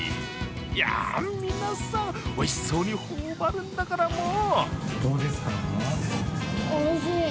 いや、皆さんおいしそうに頬張るんだから、もう！